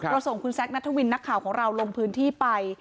ส่งคุณแซคนัทวินนักข่าวของเราลงพื้นที่ไป